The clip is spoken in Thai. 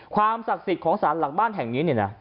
ความศักดิ์สิทธิ์ของสารหลักบ้านแห่งนี้เนี่ยนะ